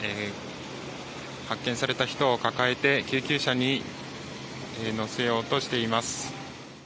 発見された人を抱えて救急車に乗せようとしています。